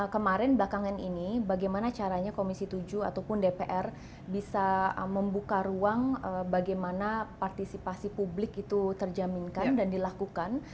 kemarin belakangan ini bagaimana caranya komisi tujuh ataupun dpr bisa membuka ruang bagaimana partisipasi publik itu terjaminkan dan dilakukan